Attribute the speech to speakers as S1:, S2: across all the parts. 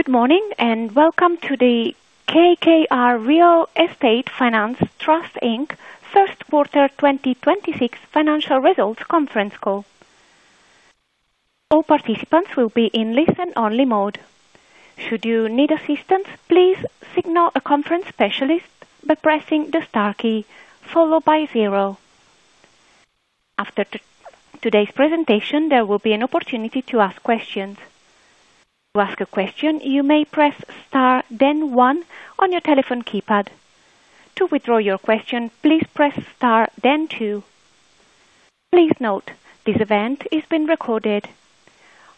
S1: Good morning, and welcome to the KKR Real Estate Finance Trust Inc. First Quarter 2026 Financial Results conference call. All participants will be in listen-only mode. Should you need assistance, please signal a conference specialist by pressing the star key followed by zero. After today's presentation, there will be an opportunity to ask questions. To ask a question, you may press star then one on your telephone keypad. To withdraw your question, please press star then two. Please note, this event is being recorded.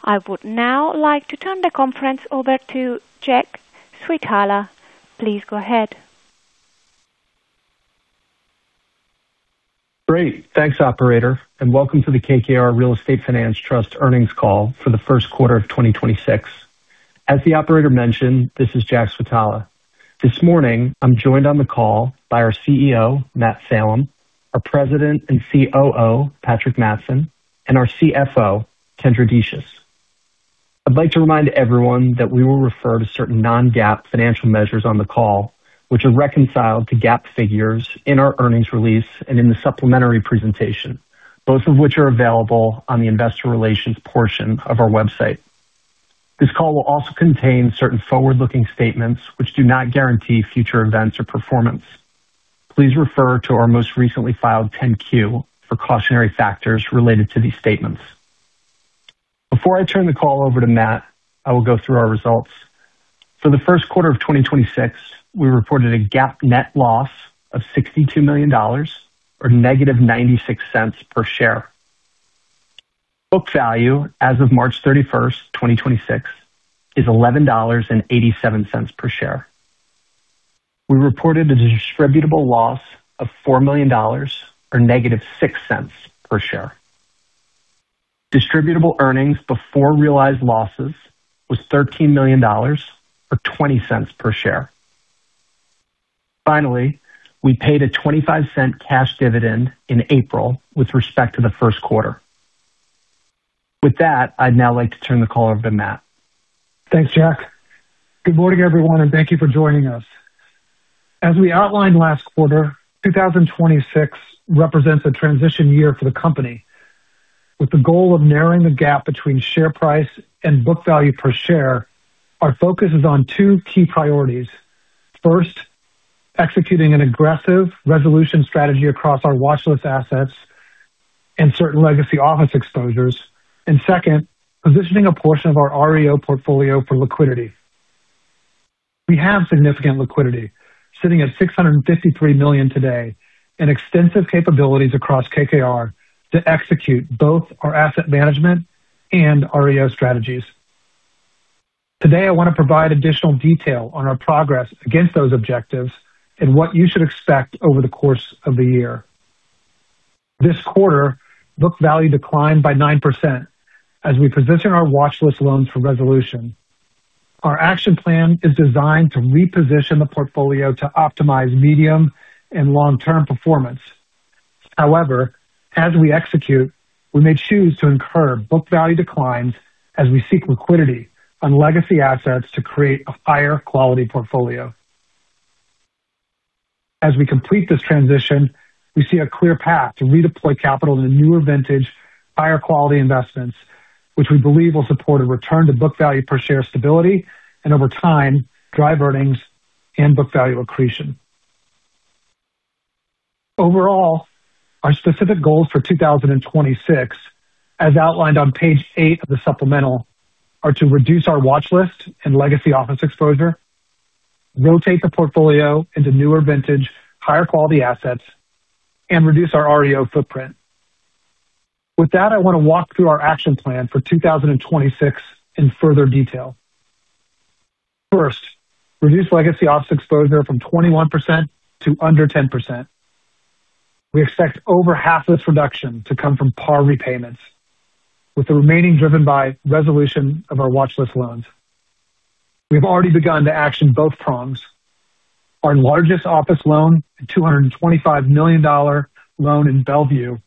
S1: I would now like to turn the conference over to Jack Switala. Please go ahead.
S2: Great. Thanks, operator, and welcome to the KKR Real Estate Finance Trust earnings call for the first quarter of 2026. As the operator mentioned, this is Jack Switala. This morning, I'm joined on the call by our CEO, Matt Salem, our President and COO, Patrick Mattson, and our CFO, Kendra Decious. I'd like to remind everyone that we will refer to certain non-GAAP financial measures on the call, which are reconciled to GAAP figures in our earnings release and in the supplementary presentation, both of which are available on the investor relations portion of our website. This call will also contain certain forward-looking statements which do not guarantee future events or performance. Please refer to our most recently filed 10-Q for cautionary factors related to these statements. Before I turn the call over to Matt, I will go through our results. For the first quarter of 2026, we reported a GAAP net loss of $62 million or negative $0.96 per share. Book value as of March 31st, 2026, is $11.87 per share. We reported a distributable loss of $4 million, or negative $0.06 per share. Distributable earnings before realized losses was $13 million, or $0.20 per share. Finally, we paid a $0.25 cash dividend in April with respect to the first quarter. With that, I'd now like to turn the call over to Matt.
S3: Thanks, Jack. Good morning, everyone, and thank you for joining us. As we outlined last quarter, 2026 represents a transition year for the company. With the goal of narrowing the gap between share price and book value per share, our focus is on two key priorities. First, executing an aggressive resolution strategy across our watchlist assets and certain legacy office exposures. Second, positioning a portion of our REO portfolio for liquidity. We have significant liquidity sitting at $653 million today and extensive capabilities across KKR to execute both our asset management and REO strategies. Today, I want to provide additional detail on our progress against those objectives and what you should expect over the course of the year. This quarter, book value declined by 9% as we position our watchlist loans for resolution. Our action plan is designed to reposition the portfolio to optimize medium and long-term performance. However, as we execute, we may choose to incur book value declines as we seek liquidity on legacy assets to create a higher-quality portfolio. As we complete this transition, we see a clear path to redeploy capital in a newer vintage, higher-quality investments, which we believe will support a return to book value per share stability and over time, drive earnings and book value accretion. Overall, our specific goals for 2026, as outlined on page eight of the supplemental, are to reduce our watchlist and legacy office exposure, rotate the portfolio into newer vintage, higher-quality assets, and reduce our REO footprint. With that, I want to walk through our action plan for 2026 in further detail. First, reduce legacy office exposure from 21% to under 10%. We expect over half of this reduction to come from par repayments, with the remaining driven by resolution of our watchlist loans. We have already begun to action both prongs. Our largest office loan, a $225 million loan in Bellevue,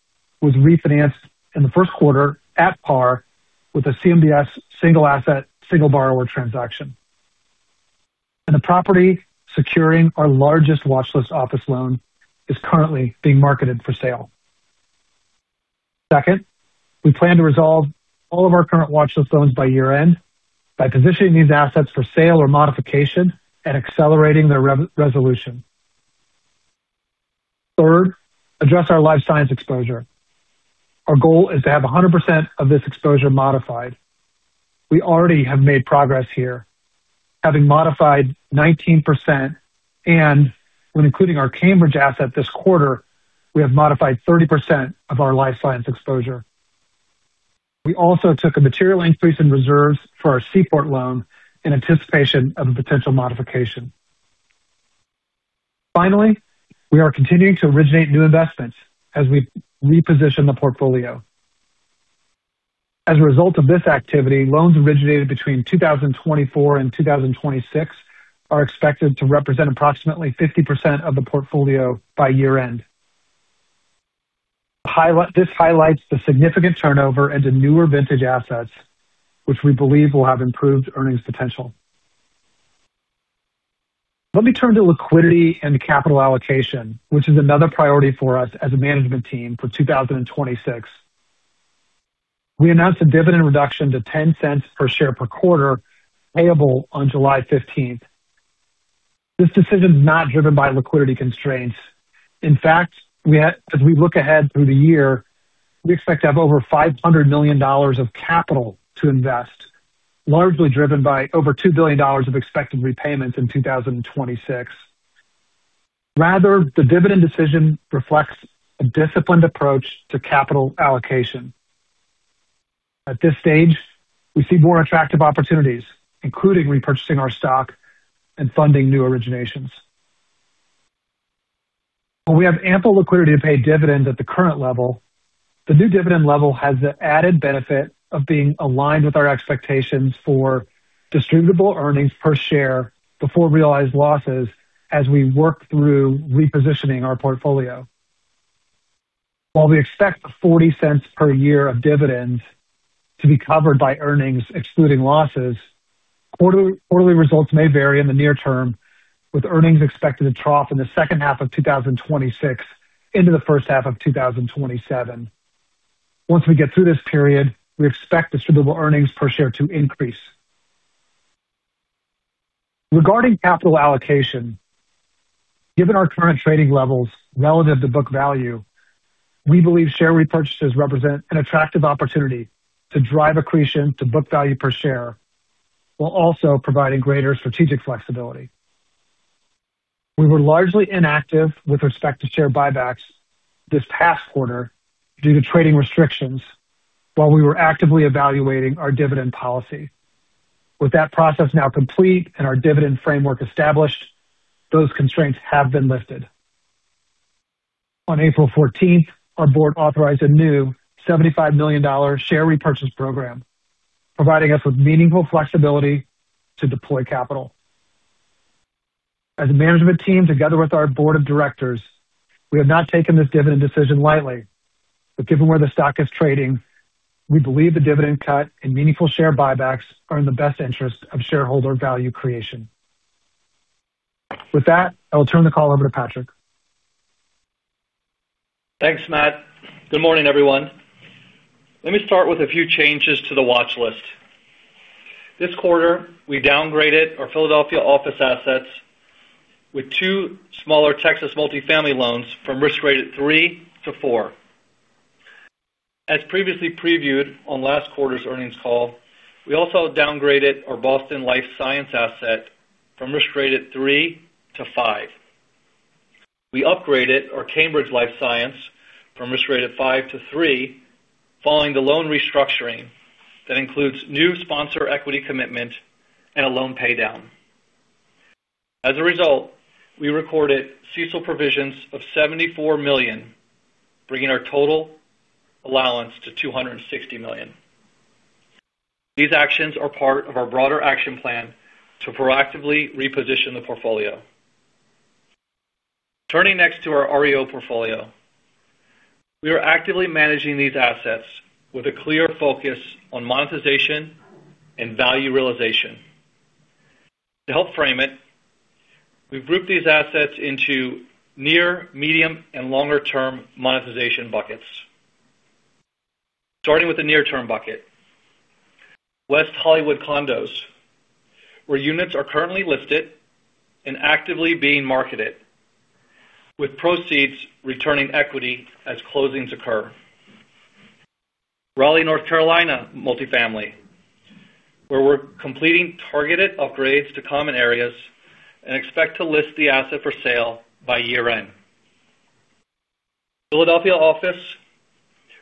S3: was refinanced in the first quarter at par with a CMBS Single Asset, Single Borrower transaction. The property securing our largest watchlist office loan is currently being marketed for sale. Second, we plan to resolve all of our current watchlist loans by year-end by positioning these assets for sale or modification and accelerating their resolution. Third, address our life science exposure. Our goal is to have 100% of this exposure modified. We already have made progress here, having modified 19%, and when including our Cambridge asset this quarter, we have modified 30% of our life science exposure. We also took a material increase in reserves for our Seaport loan in anticipation of a potential modification. Finally, we are continuing to originate new investments as we reposition the portfolio. As a result of this activity, loans originated between 2024 and 2026 are expected to represent approximately 50% of the portfolio by year-end. This highlights the significant turnover into newer vintage assets, which we believe will have improved earnings potential. Let me turn to liquidity and capital allocation, which is another priority for us as a management team for 2026. We announced a dividend reduction to $0.10 per share per quarter, payable on July 15th. This decision is not driven by liquidity constraints. In fact, as we look ahead through the year, we expect to have over $500 million of capital to invest, largely driven by over $2 billion of expected repayments in 2026. Rather, the dividend decision reflects a disciplined approach to capital allocation. At this stage, we see more attractive opportunities, including repurchasing our stock and funding new originations. While we have ample liquidity to pay dividends at the current level, the new dividend level has the added benefit of being aligned with our expectations for distributable earnings per share before realized losses as we work through repositioning our portfolio. While we expect the $0.40 per year of dividends to be covered by earnings excluding losses, quarterly results may vary in the near term, with earnings expected to trough in the second half of 2026 into the first half of 2027. Once we get through this period, we expect distributable earnings per share to increase. Regarding capital allocation, given our current trading levels relative to book value, we believe share repurchases represent an attractive opportunity to drive accretion to book value per share, while also providing greater strategic flexibility. We were largely inactive with respect to share buybacks this past quarter due to trading restrictions while we were actively evaluating our dividend policy. With that process now complete and our dividend framework established, those constraints have been lifted. On April 14th, our board authorized a new $75 million share repurchase program, providing us with meaningful flexibility to deploy capital. As a management team, together with our board of directors, we have not taken this dividend decision lightly. Given where the stock is trading, we believe the dividend cut and meaningful share buybacks are in the best interest of shareholder value creation. With that, I will turn the call over to Patrick.
S4: Thanks, Matt. Good morning, everyone. Let me start with a few changes to the watchlist. This quarter, we downgraded our Philadelphia office assets with two smaller Texas multifamily loans from risk-rated 3-4. As previously previewed on last quarter's earnings call, we also downgraded our Boston life science asset from risk-rated 3-5. We upgraded our Cambridge life science from risk-rated 5-3, following the loan restructuring that includes new sponsor equity commitment and a loan paydown. As a result, we recorded CECL provisions of $74 million, bringing our total allowance to $260 million. These actions are part of our broader action plan to proactively reposition the portfolio. Turning next to our REO portfolio. We are actively managing these assets with a clear focus on monetization and value realization. To help frame it, we've grouped these assets into near, medium, and longer-term monetization buckets. Starting with the near-term bucket. West Hollywood condos, where units are currently listed and actively being marketed, with proceeds returning equity as closings occur. Raleigh, North Carolina multifamily, where we're completing targeted upgrades to common areas and expect to list the asset for sale by year-end. Philadelphia office,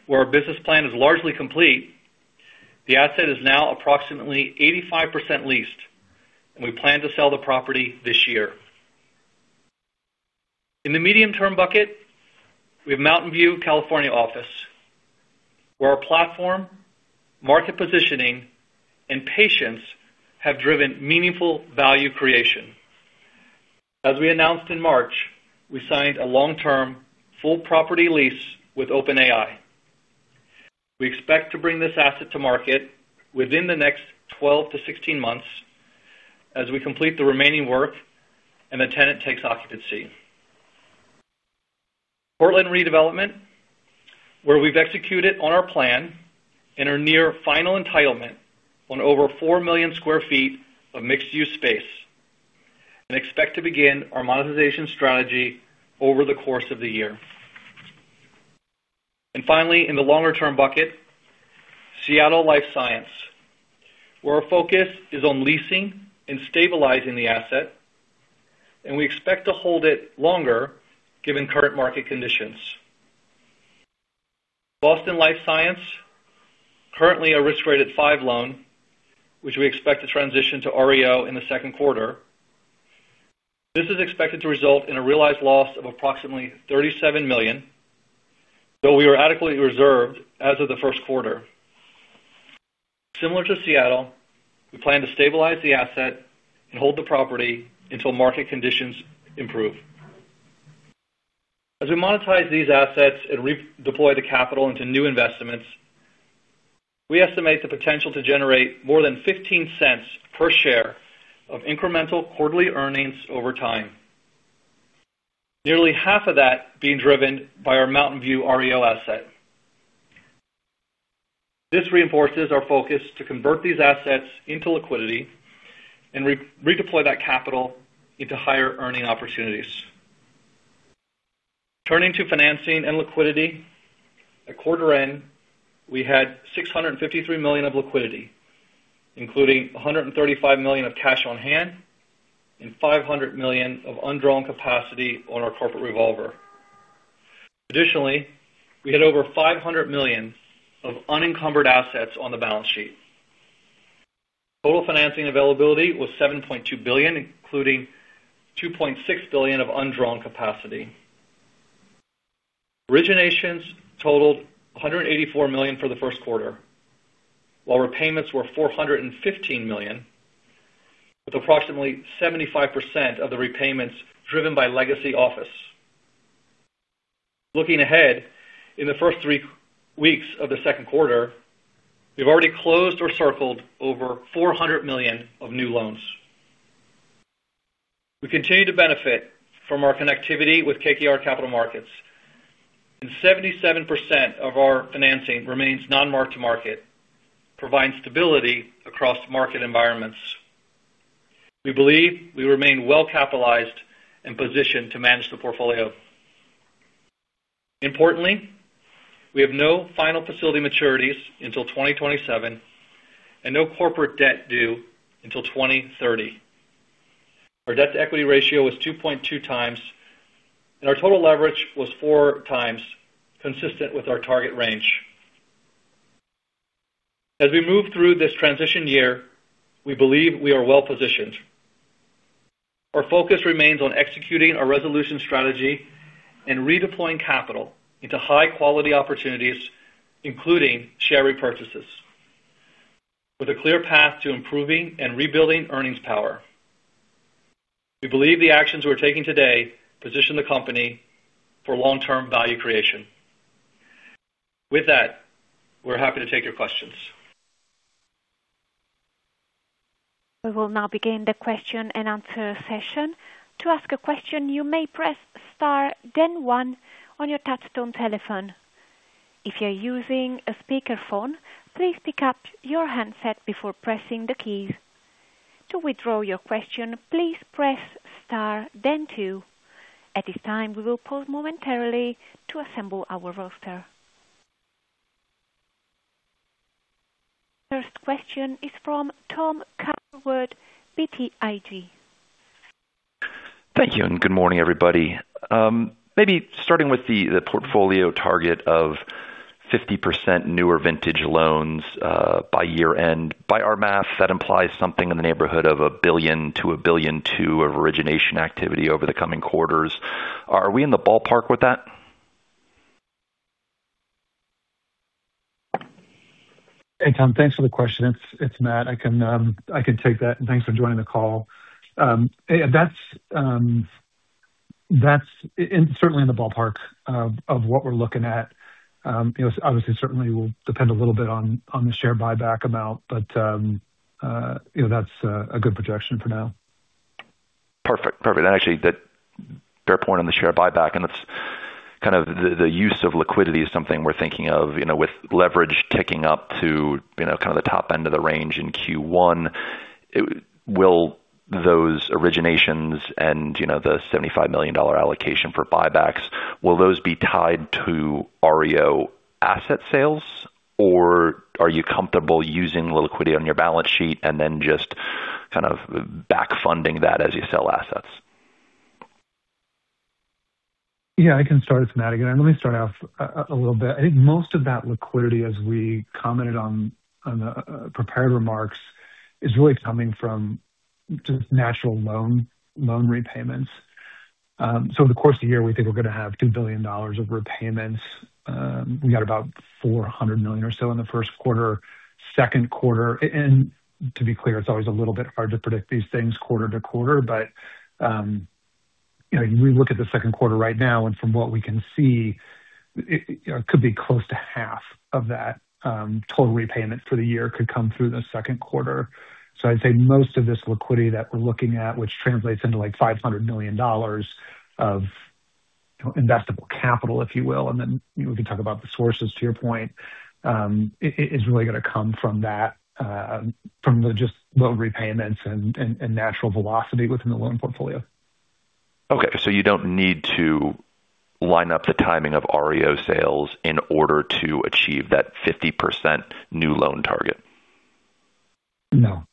S4: where our business plan is largely complete. The asset is now approximately 85% leased, and we plan to sell the property this year. In the medium-term bucket, we have Mountain View, California office, where our platform, market positioning, and patience have driven meaningful value creation. As we announced in March, we signed a long-term, full property lease with OpenAI. We expect to bring this asset to market within the next 12 months-16 months as we complete the remaining work and the tenant takes occupancy. Portland redevelopment, where we've executed on our plan and are near final entitlement on over 4 million sq ft of mixed-use space and expect to begin our monetization strategy over the course of the year. Finally, in the longer-term bucket, Seattle Life Science, where our focus is on leasing and stabilizing the asset, and we expect to hold it longer given current market conditions. Boston Life Science, currently a risk-rated 5 loan, which we expect to transition to REO in the second quarter. This is expected to result in a realized loss of approximately $37 million, though we are adequately reserved as of the first quarter. Similar to Seattle, we plan to stabilize the asset and hold the property until market conditions improve. As we monetize these assets and redeploy the capital into new investments, we estimate the potential to generate more than $0.15 per share of incremental quarterly earnings over time. Nearly half of that being driven by our Mountain View REO asset. This reinforces our focus to convert these assets into liquidity and redeploy that capital into higher earning opportunities. Turning to financing and liquidity. At quarter end, we had $653 million of liquidity, including $135 million of cash on hand and $500 million of undrawn capacity on our corporate revolver. Additionally, we had over $500 million of unencumbered assets on the balance sheet. Total financing availability was $7.2 billion, including $2.6 billion of undrawn capacity. Originations totaled $184 million for the first quarter, while repayments were $415 million, with approximately 75% of the repayments driven by legacy office. Looking ahead, in the first three weeks of the second quarter, we've already closed or circled over $400 million of new loans. We continue to benefit from our connectivity with KKR Capital Markets, and 77% of our financing remains non-mark-to-market, providing stability across market environments. We believe we remain well capitalized and positioned to manage the portfolio. Importantly, we have no final facility maturities until 2027 and no corporate debt due until 2030. Our debt-to-equity ratio was 2.2x, and our total leverage was 4x, consistent with our target range. As we move through this transition year, we believe we are well-positioned. Our focus remains on executing our resolution strategy and redeploying capital into high-quality opportunities, including share repurchases. With a clear path to improving and rebuilding earnings power, we believe the actions we're taking today position the company for long-term value creation. With that, we're happy to take your questions.
S1: We will now begin the question and answer session. To ask a question, you may press star then one on your touchtone telephone. If you're using a speakerphone, please pick up your handset before pressing the keys. To withdraw your question, please press star then two. At this time, we will pause momentarily to assemble our roster. First question is from Tom Catherwood, BTIG.
S5: Thank you, and good morning, everybody. Maybe starting with the portfolio target of 50% newer vintage loans by year-end. By our math, that implies something in the neighborhood of $1 billion-$1.2 billion of origination activity over the coming quarters. Are we in the ballpark with that?
S3: Hey, Tom. Thanks for the question. It's Matt. I can take that, and thanks for joining the call. That's certainly in the ballpark of what we're looking at. Obviously, certainly will depend a little bit on the share buyback amount. That's a good projection for now.
S5: Perfect. Actually, fair point on the share buyback, and it's kind of the use of liquidity is something we're thinking of with leverage ticking up to the top end of the range in Q1. Will those originations and the $75 million allocation for buybacks be tied to REO asset sales? Are you comfortable using the liquidity on your balance sheet and then just back funding that as you sell assets?
S3: Yeah, I can start. It's Matt again. Let me start off a little bit. I think most of that liquidity, as we commented on the prepared remarks, is really coming from just natural loan repayments. So, the course of the year, we think we're going to have $2 billion of repayments. We had about $400 million or so in the first quarter, second quarter. To be clear, it's always a little bit hard to predict these things quarter to quarter, but we look at the second quarter right now, and from what we can see, it could be close to half of that total repayment for the year could come through the second quarter. I'd say most of this liquidity that we're looking at, which translates into $500 million of investable capital, if you will, and then we can talk about the sources, to your point. It's really going to come from that, from the just loan repayments and natural velocity within the loan portfolio.
S5: Okay, you don't need to line up the timing of REO sales in order to achieve that 50% new loan target?
S3: No.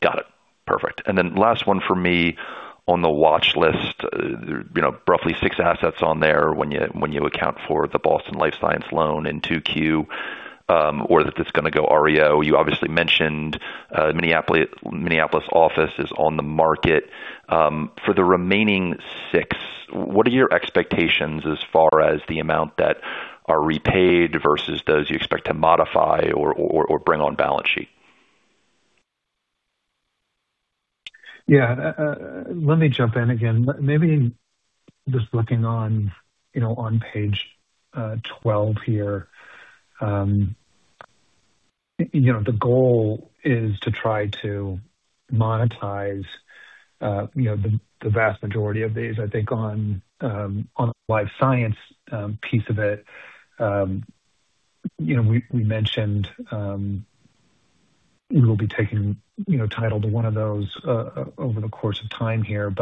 S5: Got it. Perfect. Last one for me. On the watch list, roughly six assets on there when you account for the Boston Life Science loan in 2Q. That it's going to go REO. You obviously mentioned Minneapolis office is on the market. For the remaining six What are your expectations as far as the amount that are repaid versus those you expect to modify or bring on balance sheet?
S3: Yeah. Let me jump in again. Maybe just looking on page 12 here. The goal is to try to monetize the vast majority of these. I think on the life science piece of it we mentioned we will be taking title to one of those over the course of time here.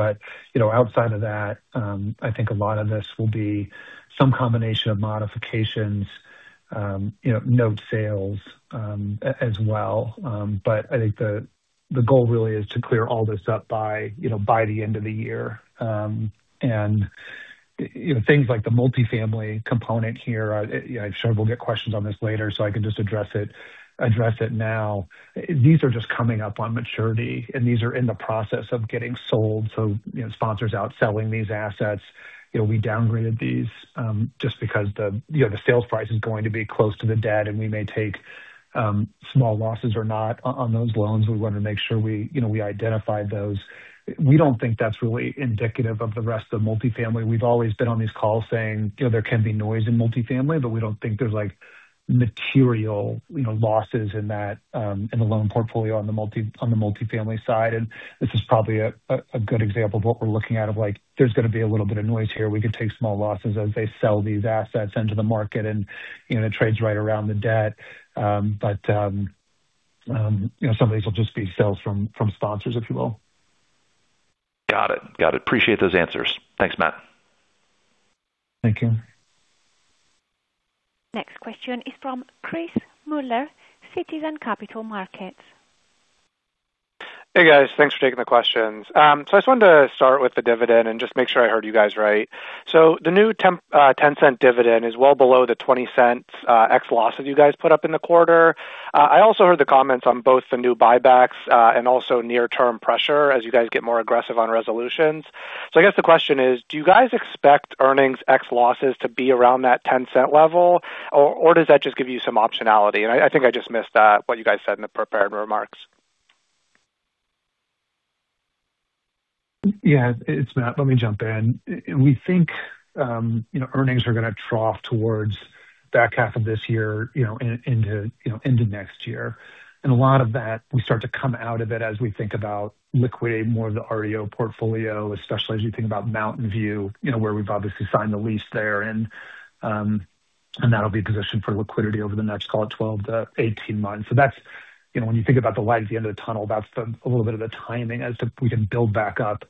S3: Outside of that, I think a lot of this will be some combination of modifications, note sales as well. I think the goal really is to clear all this up by the end of the year. Things like the multifamily component here, I'm sure we'll get questions on this later, so I can just address it now. These are just coming up on maturity, and these are in the process of getting sold. Sponsors out selling these assets. We downgraded these, just because the sales price is going to be close to the debt, and we may take small losses or not on those loans. We wanted to make sure we identified those. We don't think that's really indicative of the rest of multifamily. We've always been on these calls saying there can be noise in multifamily, but we don't think there's material losses in the loan portfolio on the multifamily side. This is probably a good example of what we're looking at of like, there's going to be a little bit of noise here. We could take small losses as they sell these assets into the market, and it trades right around the debt. Some of these will just be sales from sponsors, if you will.
S5: Got it. Appreciate those answers. Thanks, Matt.
S3: Thank you.
S1: Next question is from Chris Muller, Citizens Capital Markets.
S6: Hey, guys. Thanks for taking the questions. I just wanted to start with the dividend and just make sure I heard you guys right. The new $0.10 dividend is well below the $0.20 ex losses you guys put up in the quarter. I also heard the comments on both the new buybacks, and also near-term pressure as you guys get more aggressive on resolutions. I guess the question is: do you guys expect earnings ex losses to be around that $0.10 level, or does that just give you some optionality? I think I just missed that, what you guys said in the prepared remarks.
S3: Yeah. It's Matt, let me jump in. We think earnings are going to trough towards back half of this year into next year. A lot of that, we start to come out of it as we think about liquidating more of the REO portfolio, especially as you think about Mountain View, where we've obviously signed the lease there. That'll be positioned for liquidity over the next, call it 12-18 months. When you think about the light at the end of the tunnel, that's a little bit of the timing as to we can build back up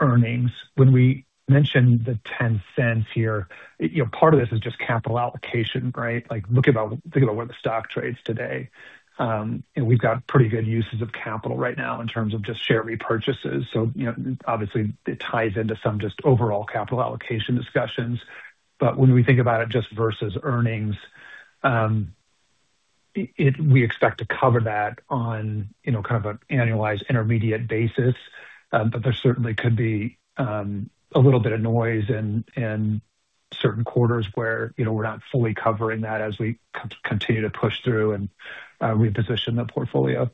S3: earnings. When we mentioned the $0.10 here, part of this is just capital allocation, right? Like think about where the stock trades today. We've got pretty good uses of capital right now in terms of just share repurchases. Obviously it ties into some just overall capital allocation discussions. When we think about it just versus earnings, we expect to cover that on kind of an annualized intermediate basis. There certainly could be a little bit of noise in certain quarters where we're not fully covering that as we continue to push through and reposition the portfolio.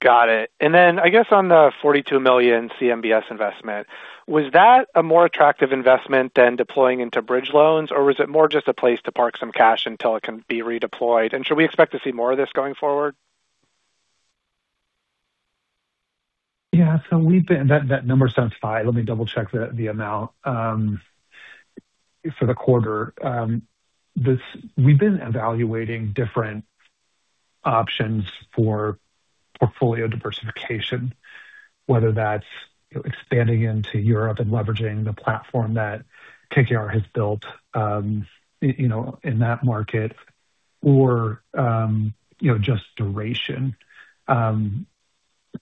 S6: Got it. Then I guess on the $42 million CMBS investment, was that a more attractive investment than deploying into bridge loans, or was it more just a place to park some cash until it can be redeployed? Should we expect to see more of this going forward?
S3: Yeah. That number sounds fine. Let me double-check the amount for the quarter. We've been evaluating different options for portfolio diversification, whether that's expanding into Europe and leveraging the platform that KKR has built in that market or just duration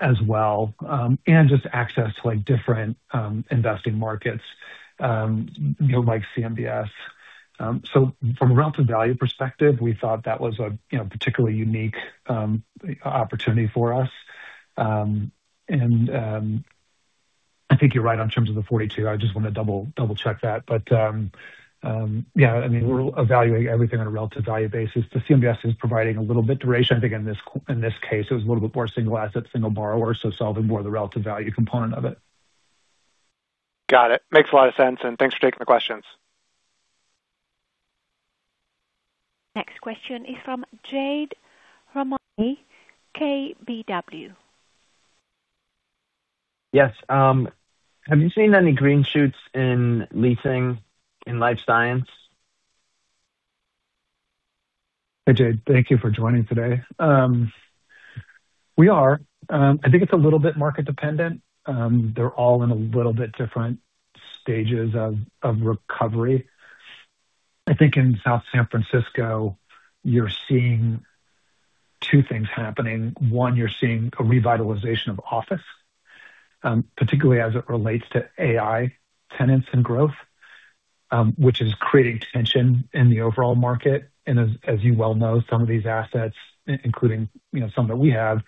S3: as well, and just access to different investing markets like CMBS. From a relative value perspective, we thought that was a particularly unique opportunity for us. I think you're right in terms of the 42. I just want to double-check that. Yeah, we're evaluating everything on a relative value basis. The CMBS is providing a little bit duration. I think in this case, it was a little bit more single asset, single borrower. Solving more of the relative value component of it.
S6: Got it. Makes a lot of sense, and thanks for taking the questions.
S1: Next question is from Jade Rahmani, KBW.
S7: Yes. Have you seen any green shoots in leasing in life science?
S3: Hey, Jade. Thank you for joining today. I think it's a little bit market dependent. They're all in a little bit different stages of recovery. I think in South San Francisco, you're seeing two things happening. One, you're seeing a revitalization of office, particularly as it relates to AI tenants and growth, which is creating tension in the overall market. As you well know, some of these assets, including some that we have,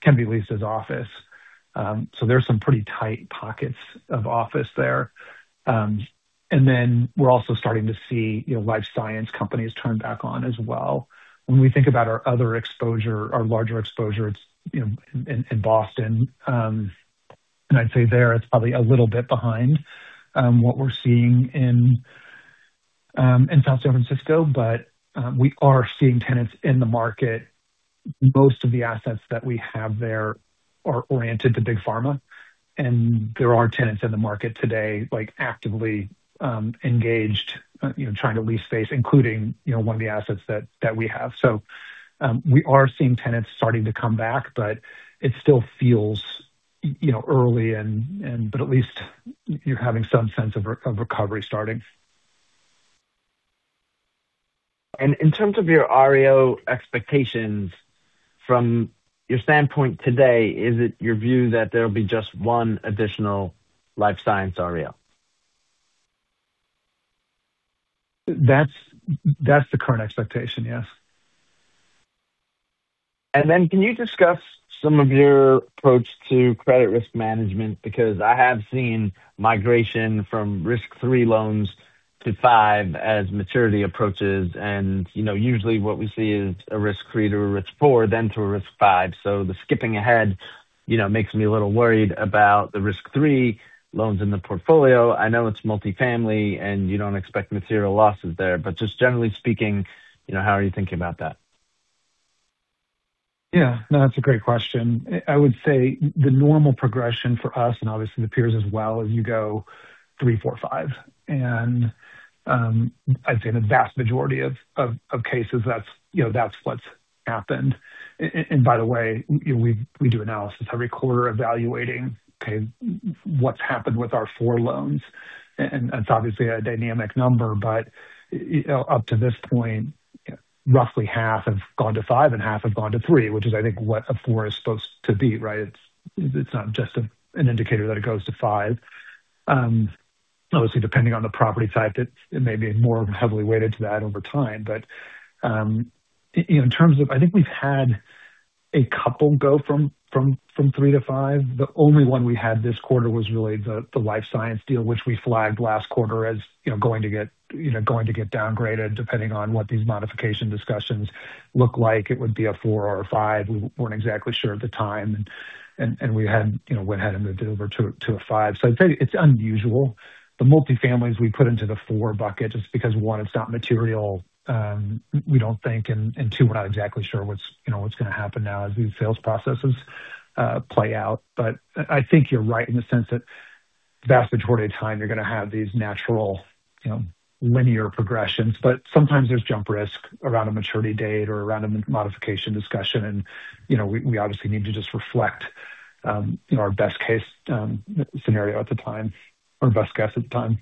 S3: can be leased as office. There's some pretty tight pockets of office there. We're also starting to see life science companies turn back on as well. When we think about our other exposure, our larger exposure, it's in Boston. I'd say there it's probably a little bit behind what we're seeing in San Francisco. We are seeing tenants in the market. Most of the assets that we have there are oriented to big pharma, and there are tenants in the market today actively engaged, trying to lease space, including one of the assets that we have. We are seeing tenants starting to come back, but it still feels early, but at least you're having some sense of recovery starting.
S7: In terms of your REO expectations, from your standpoint today, is it your view that there'll be just one additional life science REO?
S3: That's the current expectation, yes.
S7: Then can you discuss some of your approach to credit risk management? Because I have seen migration from risk 3 loans to 5 as maturity approaches. Usually what we see is a risk 3 to a risk 4, then to a risk 5. The skipping ahead makes me a little worried about the risk 3 loans in the portfolio. I know it's multifamily and you don't expect material losses there, but just generally speaking, how are you thinking about that?
S3: Yeah, no, that's a great question. I would say the normal progression for us, and obviously the peers as well, is you go three, four, five. I'd say in the vast majority of cases, that's what's happened. By the way, we do analysis every quarter evaluating what's happened with our four loans, and it's obviously a dynamic number, but up to this point, roughly half have gone to five and half have gone to three, which is, I think, what a four is supposed to be, right? It's not just an indicator that it goes to five. Obviously, depending on the property type, it may be more heavily weighted to that over time. In terms of, I think we've had a couple go from three-five. The only one we had this quarter was really the life science deal, which we flagged last quarter as going to get downgraded, depending on what these modification discussions look like. It would be a four or a five. We weren't exactly sure at the time, and went ahead and moved it over to a five. I'd say it's unusual. The multifamilies we put into the four bucket, just because, one, it's not material, we don't think, and two, we're not exactly sure what's going to happen now as these sales processes play out. I think you're right in the sense that vast majority of time you're going to have these natural linear progressions, but sometimes there's jump risk around a maturity date or around a modification discussion, and we obviously need to just reflect our best case scenario at the time, or best guess at the time.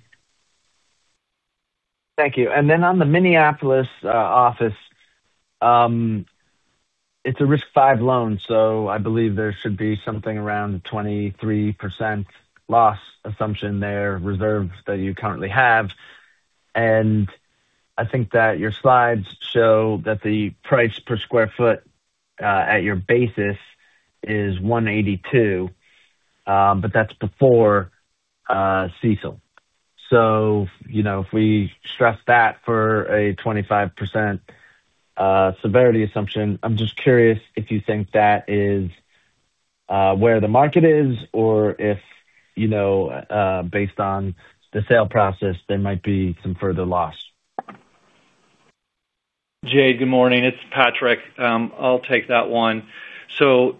S7: Thank you. Then on the Minneapolis office, it's a risk five loan, so I believe there should be something around 23% loss assumption there, reserves that you currently have. I think that your slides show that the price per sq ft at your basis is 182, but that's before CECL. If we stress that for a 25% severity assumption, I'm just curious if you think that is where the market is or if based on the sale process, there might be some further loss.
S4: Jade, good morning. It's Patrick. I'll take that one.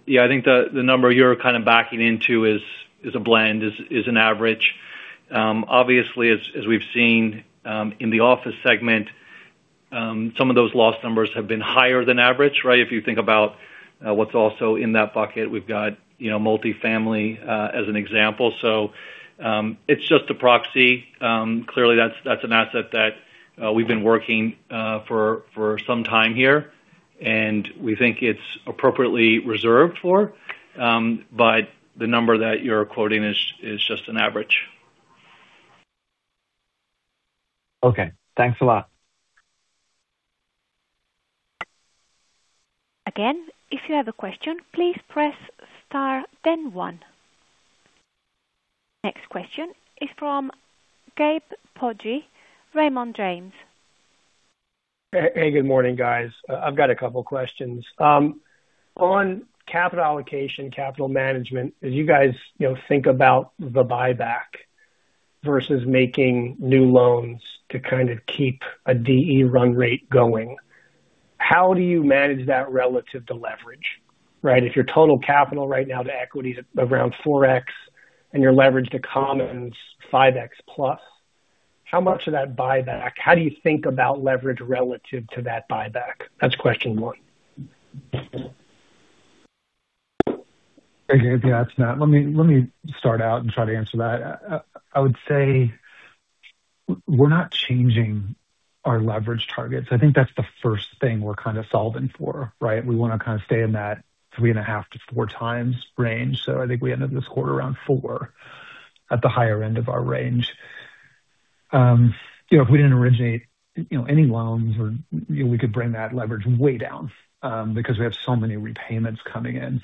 S4: Yeah, I think the number you're kind of backing into is a blend, is an average. Obviously, as we've seen in the office segment, some of those loss numbers have been higher than average, right? If you think about what's also in that bucket, we've got multifamily as an example. It's just a proxy. Clearly, that's an asset that we've been working for some time here, and we think it's appropriately reserved for. The number that you're quoting is just an average.
S7: Okay, thanks a lot.
S1: Again, if you have a question, please press star, then one. Next question is from Gabe Poggi, Raymond James.
S8: Hey, good morning, guys. I've got a couple questions. On capital allocation, capital management, as you guys think about the buyback versus making new loans to kind of keep a DE run rate going, how do you manage that relative to leverage? Right? If your total capital right now to equity is around 4x and your leverage to common is 5x plus, how much of that buyback, how do you think about leverage relative to that buyback? That's question one.
S3: Hey, Gabe. Yeah, it's Matt. Let me start out and try to answer that. I would say we're not changing our leverage targets. I think that's the first thing we're kind of solving for, right? We want to kind of stay in that 3.5-4x range. I think we ended this quarter around 4, at the higher end of our range. If we didn't originate any loans, we could bring that leverage way down because we have so many repayments coming in.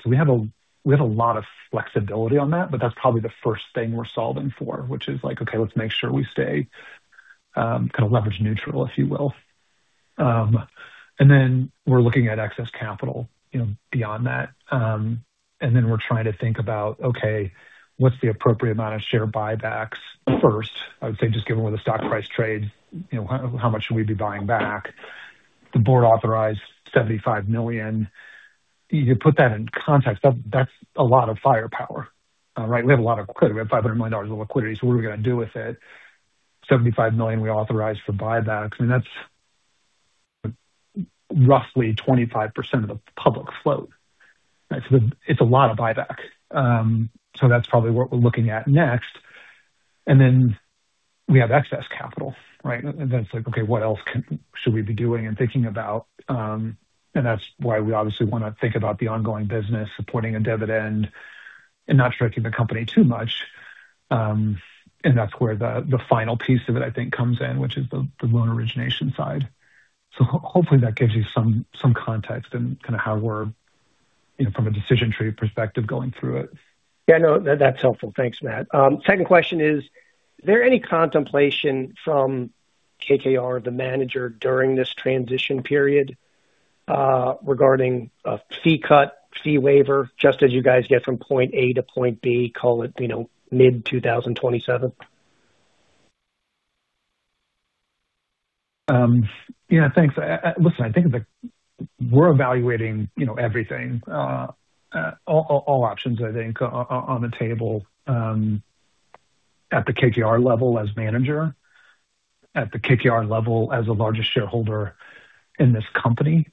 S3: We have a lot of flexibility on that, but that's probably the first thing we're solving for, which is like, "Okay, let's make sure we stay kind of leverage neutral," if you will. We're looking at excess capital beyond that. We're trying to think about, okay, what's the appropriate amount of share buybacks first? I would say, just given where the stock price trades, how much should we be buying back? The board authorized $75 million. To put that in context, that's a lot of firepower. We have a lot of credit. We have $500 million of liquidity. What are we going to do with it? $75 million we authorized for buybacks, and that's roughly 25% of the public float. It's a lot of buyback. That's probably what we're looking at next. Then we have excess capital, right? Then it's like, okay, what else should we be doing and thinking about? That's why we obviously want to think about the ongoing business, supporting a dividend and not stretching the company too much. That's where the final piece of it, I think, comes in, which is the loan origination side. Hopefully that gives you some context and kind of how we're from a decision tree perspective, going through it.
S8: Yeah, no, that's helpful. Thanks, Matt. Second question is there any contemplation from KKR, the manager, during this transition period, regarding a fee cut, fee waiver, just as you guys get from point A to point B, call it mid-2027?
S3: Yeah, thanks. Listen, I think we're evaluating everything. All options, I think, are on the table, at the KKR level as manager, at the KKR level as the largest shareholder in this company.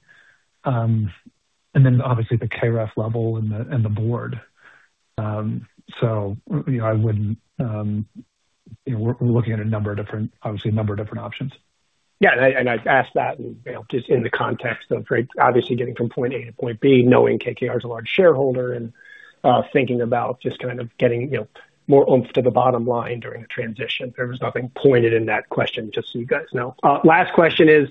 S3: Obviously the KREF level and the board. We're looking at, obviously, a number of different options.
S8: I ask that just in the context of very obviously getting from point A to point B, knowing KKR is a large shareholder and thinking about just kind of getting more oomph to the bottom line during the transition. There was nothing pointed in that question, just so you guys know. Last question is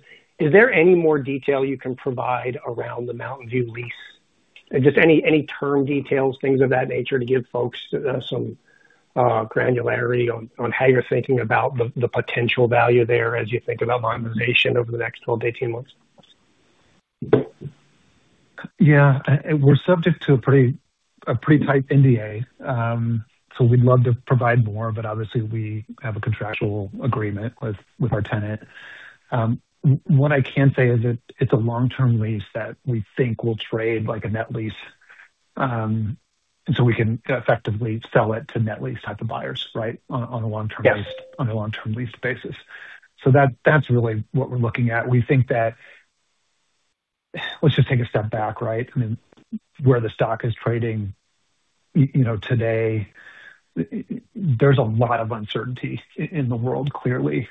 S8: there any more detail you can provide around the Mountain View lease? Just any term details, things of that nature to give folks some granularity on how you're thinking about the potential value there as you think about monetization over the next 12 months-18 months?
S3: Yeah. We're subject to a pretty tight NDA. We'd love to provide more, but obviously we have a contractual agreement with our tenant. What I can say is it's a long-term lease that we think will trade like a net lease. We can effectively sell it to net lease type of buyers, right, on a long-term lease.
S8: Yes
S3: On a long-term lease basis. That's really what we're looking at. Let's just take a step back, right? Where the stock is trading today, there's a lot of uncertainty in the world, clearly.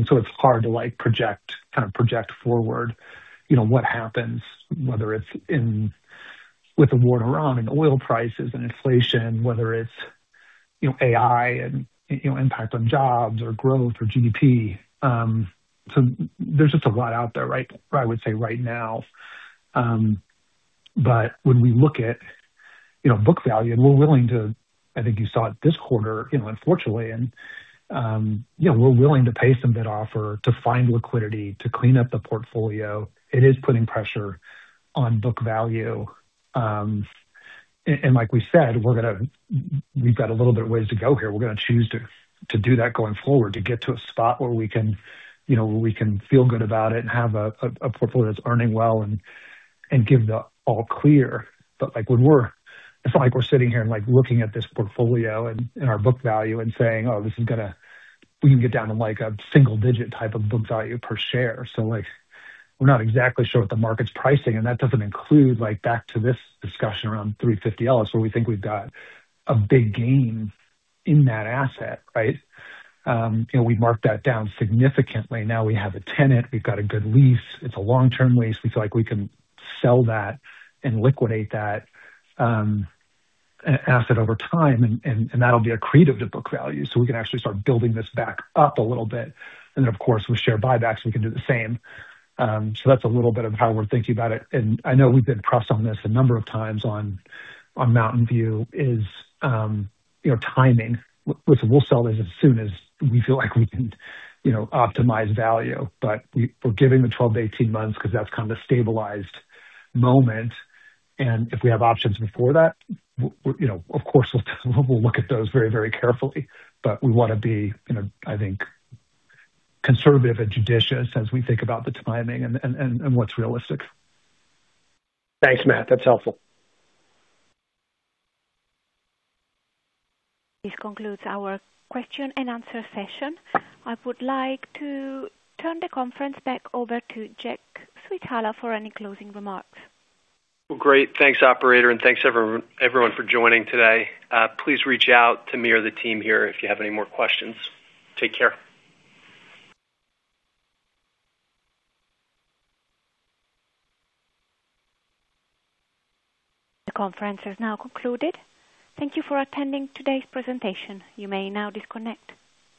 S3: It's hard to project forward what happens, whether it's with the war in Iran and oil prices and inflation, whether it's AI and impact on jobs or growth or GDP. There's just a lot out there, I would say right now. When we look at book value, I think you saw it this quarter, unfortunately, and we're willing to pay some bid offer to find liquidity to clean up the portfolio. It is putting pressure on book value. Like we said, we've got a little bit of ways to go here. We're going to choose to do that going forward to get to a spot where we can feel good about it and have a portfolio that's earning well and give the all clear. It's not like we're sitting here and looking at this portfolio and our book value and saying, "Oh, we can get down to a single digit type of book value per share." We're not exactly sure what the market's pricing, and that doesn't include back to this discussion around 350-380 Ellis where we think we've got a big gain in that asset, right? We marked that down significantly. Now we have a tenant. We've got a good lease. It's a long-term lease. We feel like we can sell that and liquidate that asset over time, and that'll be accretive to book value. We can actually start building this back up a little bit. Then, of course, with share buybacks, we can do the same. That's a little bit of how we're thinking about it. I know we've been pressed on this a number of times on Mountain View's timing, which we'll sell it as soon as we feel like we can optimize value. We're giving the 12-18 months because that's kind of a stabilized moment. If we have options before that, of course, we'll look at those very carefully. We want to be, I think, conservative and judicious as we think about the timing and what's realistic.
S8: Thanks, Matt. That's helpful.
S1: This concludes our question-and-answer session. I would like to turn the conference back over to Jack Switala for any closing remarks.
S2: Well, great. Thanks, operator, and thanks everyone for joining today. Please reach out to me or the team here if you have any more questions. Take care.
S1: The conference has now concluded. Thank you for attending today's presentation. You may now disconnect.